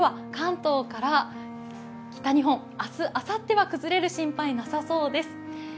ただ、天気としては関東から北日本、明日、あさっては崩れる心配はなさそうです。